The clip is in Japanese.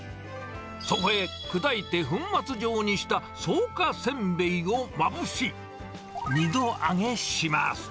そこへ砕いて粉末状にした草加せんべいをまぶし、２度揚げします。